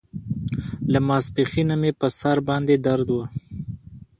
له ماسپښينه مې پر سر باندې درد و.